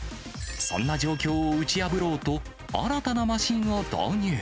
そんな状況を打ち破ろうと、新たなマシンを導入。